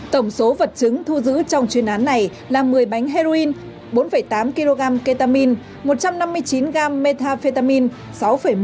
tổng số vật chứng thu giữ trong chuyên án này là một mươi bánh heroin bốn tám kg ketamine một trăm năm mươi chín g methamphetamine